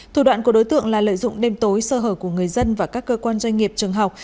thủ đoạn của đối tượng là lợi dụng đêm tối sơ hở của người dân và các cơ quan doanh nghiệp trường học